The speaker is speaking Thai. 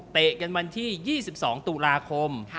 กันวันที่๒๒ตุลาคม